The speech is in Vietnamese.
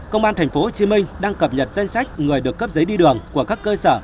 công an thành phố hồ chí minh đang cập nhật danh sách người được cấp giấy đi đường của các cơ sở